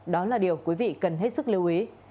đó là điều quý vị cần hết sức lưu ý